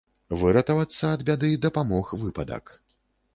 Выратавацца ад бяды дапамог выпадак.